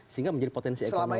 sehingga menjadi potensi ekonomi